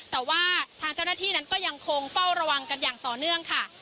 แต่ว่าทางเจ้าหน้าที่นั้นก็ยังคงเฝ้าระวังกันอย่างต่อเนื่องค่ะ